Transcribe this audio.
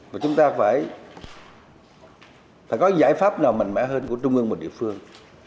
và chúng ta phải phải có giải pháp nào mạnh mẽ hơn của trung ương một địa phương